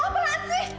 mau apaan sih